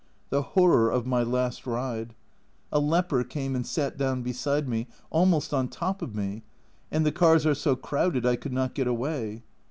The horror of my last ride ! A leper came and sat down beside me, almost on top of me, and the cars are so crowded I could not get away.